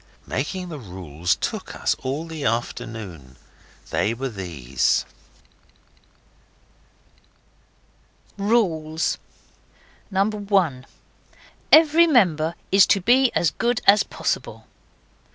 Making the rules took us all the afternoon. They were these: RULES 1. Every member is to be as good as possible.